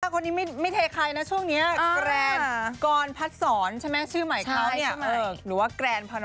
คนนี้ไม่เทใครนะช่วงนี้